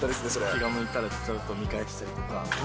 気が向いたら読み返したりとか。